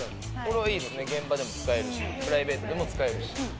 現場でも使えるしプライベートでも使えるし。